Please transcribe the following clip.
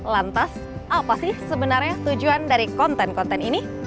lantas apa sih sebenarnya tujuan dari konten konten ini